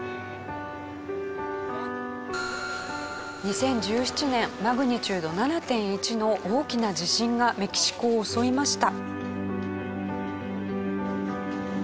２０１７年マグニチュード７．１の大きな地震がメキシコを襲いました。